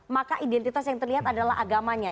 maka identitas yang terlihat adalah agamanya